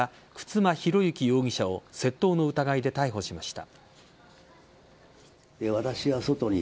沓間寛行容疑者を窃盗の疑いで逮捕しました。